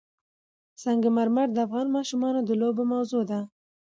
سنگ مرمر د افغان ماشومانو د لوبو موضوع ده.